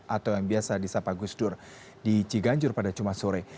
atau yang biasa di sapa gusdur di ciganjur pada cuma sore